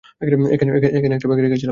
এখানে একটা ব্যাগ রেখেছিলাম।